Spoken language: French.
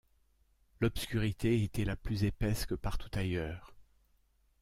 L’obscurité était là plus épaisse que partout ailleurs.